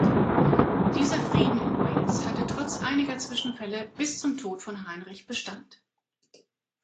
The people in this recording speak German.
Dieser Frieden in Wales hatte trotz einiger Zwischenfälle bis zum Tod von Heinrich Bestand.